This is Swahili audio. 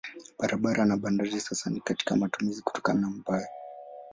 Barabara na bandari sasa si katika matumizi kutokana na mbaya.